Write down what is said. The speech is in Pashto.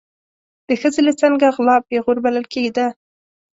د ښځې له څنګه غلا پیغور بلل کېده.